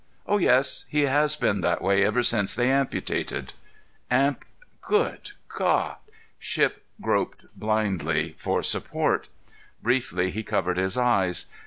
"Oh yes; he has been that way ever since they amputated." "'Amp—' Good God!" Shipp groped blindly for support; briefly he covered his eyes.